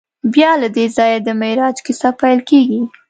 بیا له دې ځایه د معراج کیسه پیل کېږي.